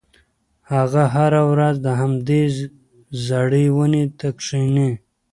هغه هره ورځ همدې زړې ونې ته کښېني.